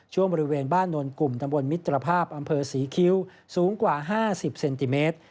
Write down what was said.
บริเวณบ้านนวลกลุ่มตำบลมิตรภาพอำเภอศรีคิ้วสูงกว่า๕๐เซนติเมตร